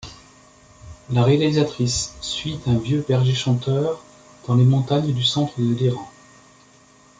La réalisatrice suit un vieux berger chanteur dans les montagnes du centre de l'Iran.